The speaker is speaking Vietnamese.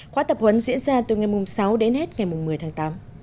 khóa tập huấn diễn ra từ ngày sáu đến hết ngày một mươi tháng tám